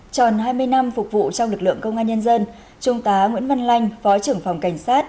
tròn hai mươi năm phục vụ trong lực lượng công an nhân dân trung tá nguyễn văn lanh phó trưởng phòng cảnh sát